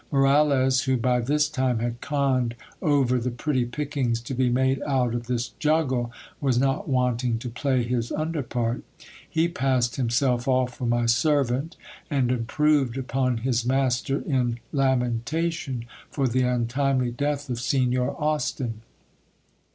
Moralez, who by this time had conned over the pretty pickings to be made out of this juggle, was not wanting to play his underpart He passed himself off for my servant, and improved upon his master in lamenta tion for the untimely death of Signor Austin.